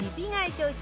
商品